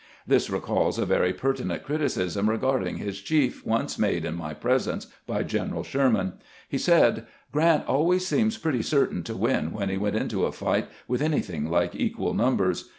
This recalls a very pertinent criticism regarding his chief once made in my presence by General Sherman. He said :" Grant always seemed pretty certain to win when he went into a fight with anything like equal numbers.